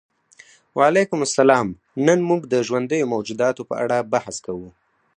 وعلیکم السلام نن موږ د ژوندیو موجوداتو په اړه بحث کوو